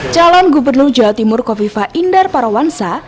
calon gubernur jawa timur kofifa indar parawansa